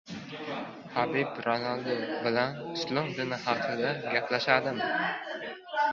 Habib Ronaldu bilan Islom dini haqida gaplashadimi?